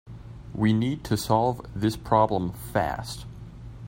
We need to solve this problem fast.